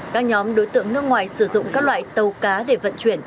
các nhóm đối tượng nước ngoài sử dụng các loại tàu cá để vận chuyển